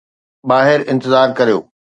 ٻاهر انتظار ڪريو.